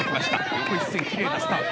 横一線きれいなスタート。